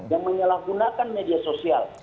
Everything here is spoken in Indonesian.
yang menyalahgunakan media sosial